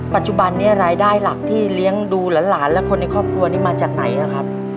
ปัจจุบันนี้รายได้หลักที่เลี้ยงดูหลานและคนในครอบครัวนี้มาจากไหนครับ